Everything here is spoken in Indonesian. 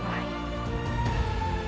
masih menyimpan benci terhadap orang lain